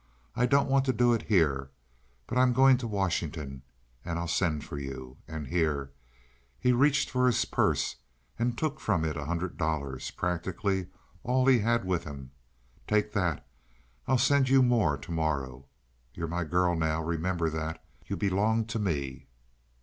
I don't want to do it here. But I'm going to Washington, and I'll send for you. And here"—he reached for his purse and took from it a hundred dollars, practically all he had with him, "take that. I'll send you more tomorrow. You're my girl now—remember that. You belong to me."